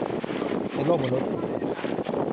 ในโลกมนุษย์